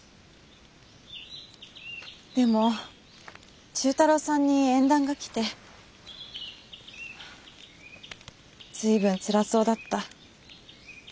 でも忠太郎さんに縁談が来て随分つらそうだった。